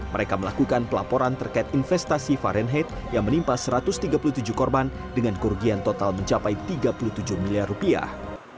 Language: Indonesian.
mereka melakukan pelaporan terkait investasi fahrenheit yang menimpa satu ratus tiga puluh tujuh korban dengan kerugian total mencapai tiga puluh tujuh miliar rupiah